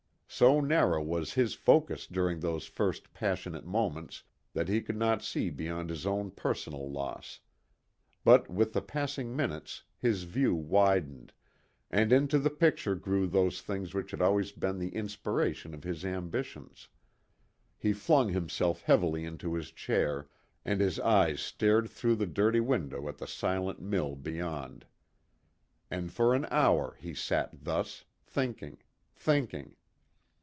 So narrow was his focus during those first passionate moments that he could not see beyond his own personal loss. But with the passing minutes his view widened, and into the picture grew those things which had always been the inspiration of his ambitions. He flung himself heavily into his chair, and his eyes stared through the dirty window at the silent mill beyond. And for an hour he sat thus, thinking, thinking.